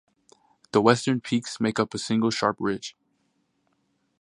The western peaks make up a single sharp ridge.